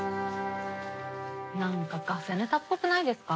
何かガセネタっぽくないですか？